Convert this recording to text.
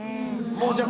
もうじゃあ。